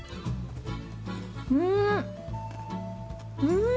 うん！